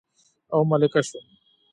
او ملکه شوم